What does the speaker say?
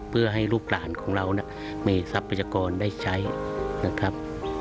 เพื่อให้ลูกหลานของเรามีทรัพยากรได้ใช้นะครับ